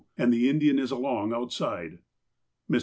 And the Indian is along outside." Mr.